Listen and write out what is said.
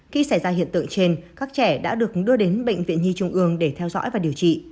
khi xảy ra hiện tượng trên các trẻ đã được đưa đến bệnh viện nhi trung ương để theo dõi và điều trị